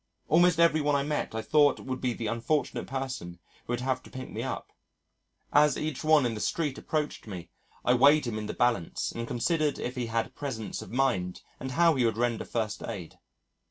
Almost every one I met I thought would be the unfortunate person who would have to pick me up. As each one in the street approached me, I weighed him in the balance and considered if he had presence of mind and how he would render first aid.